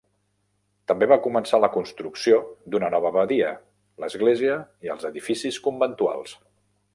També va començar la construcció d'una nova abadia, l'església i els edificis conventuals.